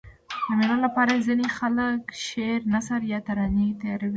د مېلو له پاره ځيني خلک شعر، نثر یا ترانې تیاروي.